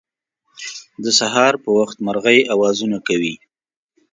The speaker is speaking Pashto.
د سهار په وخت مرغۍ اوازونه کوی